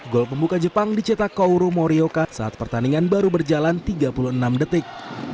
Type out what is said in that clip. gol pembuka jepang dicetak kauru moryoka saat pertandingan baru berjalan tiga puluh enam detik